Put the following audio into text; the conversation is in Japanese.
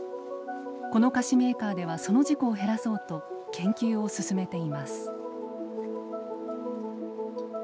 この菓子メーカーではその事故を減らそうと研究を進めています。